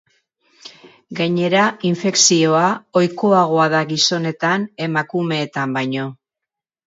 Gainera, infekzioa ohikoagoa da gizonetan emakumeetan baino.